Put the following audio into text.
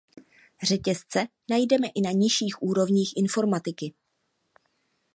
Řetězce najdeme i na nižších úrovních informatiky.